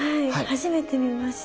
初めて見ました。